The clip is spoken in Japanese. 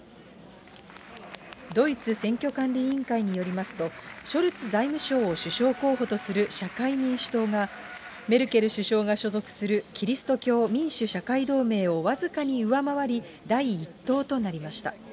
ドイツ選挙管理委員会によりますと、ショルツ財務相を首相候補とする社会民主党が、メルケル首相が所属するキリスト教民主・社会同盟を僅かに上回り、第１党となりました。